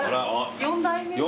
４代目。